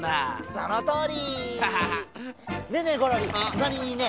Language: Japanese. そのとおり！